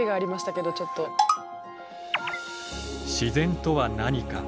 自然とは何か？